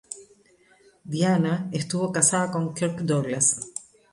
Diana estuvo casada con Kirk Douglas.